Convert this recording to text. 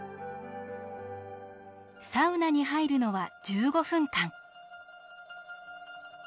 サウナに入るのは１５分間。